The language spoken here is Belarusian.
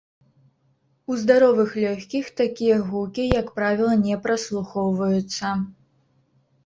У здаровых лёгкіх такія гукі, як правіла, не праслухоўваюцца.